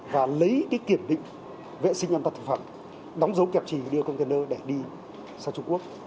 và lấy kiểm định vệ sinh an toàn thực phẩm đóng dấu kẹp trì đưa container để đi sang trung quốc